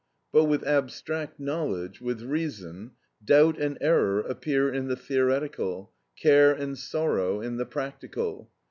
But with abstract knowledge, with reason, doubt and error appear in the theoretical, care and sorrow in the practical.